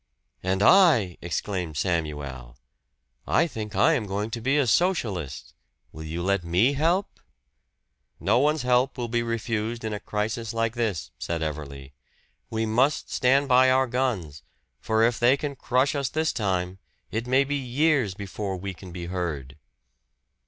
"And I!" exclaimed Samuel. "I think I am going to be a Socialist. Will you let me help?" "No one's help will be refused in a crisis like this," said Everley. "We must stand by our guns, for if they can crush us this time, it may be years before we can be heard."